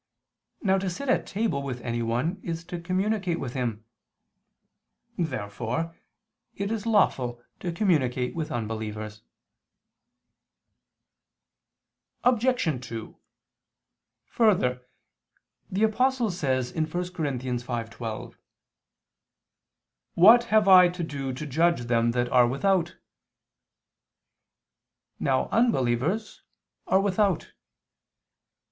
Now to sit at table with anyone is to communicate with him. Therefore it is lawful to communicate with unbelievers. Obj. 2: Further, the Apostle says (1 Cor. 5:12): "What have I to do to judge them that are without?" Now unbelievers are without.